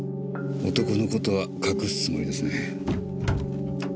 男の事は隠すつもりですね。